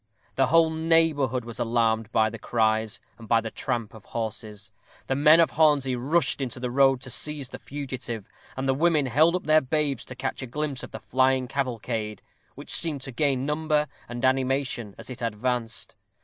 The whole neighborhood was alarmed by the cries, and by the tramp of horses: the men of Hornsey rushed into the road to seize the fugitive, and women held up their babes to catch a glimpse of the flying cavalcade, which seemed to gain number and animation as it advanced.